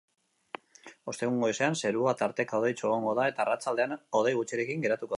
Ostegun goizean zerua tarteka hodeitsu egongo da eta arratsaldean hodei gutxirekin geratuko da.